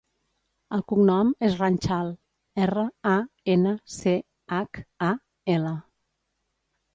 El cognom és Ranchal: erra, a, ena, ce, hac, a, ela.